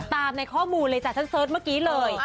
ตามในข้อมูลเลยจากท่านเสิร์ทเมื่อกี้เลย